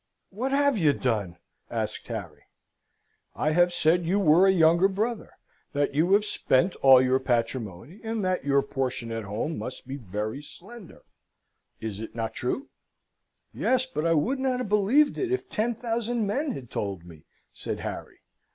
"What have you done? asked Harry. "I have said you were a younger brother that you have spent all your patrimony, and that your portion at home must be very slender. Is it not true?" "Yes, but I would not have believed it, if ten thousand men had told me," said Harry.